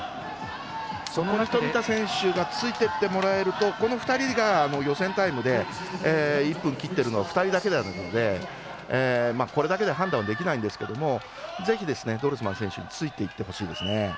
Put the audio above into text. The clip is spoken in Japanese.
富田選手がついていってもらえるとこの２人が予選タイムで１分を切っているの２人だけなのでこれだけで判断できないんですけれどもぜひ、ドルスマン選手についていってほしいですね。